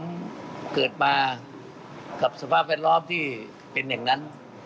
มันเกิดมากับสภาพแวดล้อมที่เป็นอย่างนั้น